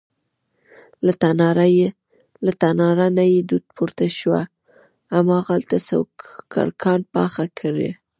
له تناره نه یې دود پورته شو، هماغلته سوکړکان پاخه کړه.